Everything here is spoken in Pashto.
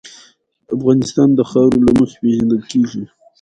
افغانستان د خاوره له مخې پېژندل کېږي.